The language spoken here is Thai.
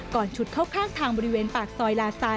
ฉุดเข้าข้างทางบริเวณปากซอยลาซาน